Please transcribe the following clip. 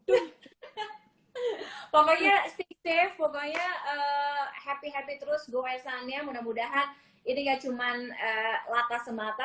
pokoknya stay safe pokoknya happy happy terus go ice annya mudah mudahan ini gak cuman lata semata